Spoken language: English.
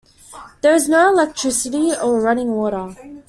There is no electricity or running water.